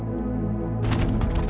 saya berhak tanya